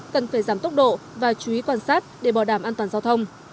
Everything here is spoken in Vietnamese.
cần phải giảm tốc độ và chú ý quan sát để bảo đảm an toàn giao thông